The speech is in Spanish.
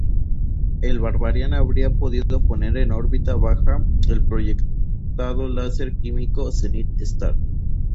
El Barbarian habría podido poner en órbita baja el proyectado láser químico Zenith-Star.